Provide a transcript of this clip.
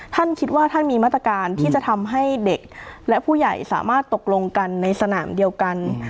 ท่านคิดว่าท่านมีมาตรการที่จะทำให้เด็กและผู้ใหญ่สามารถตกลงกันในสนามเดียวกัน